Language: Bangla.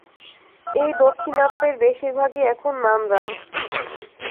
এই দাক্ষিণাত্যের বেশীর ভাগই এখন মান্দ্রাজ।